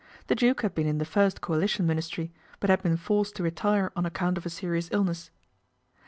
The Duke had been in the first Coali tion Ministry, but had been forced to retire o: account of a serious illness.